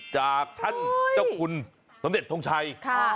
จากท่านเจ้าคุณสมเด็จทงชัย